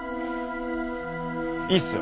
いいっすよ。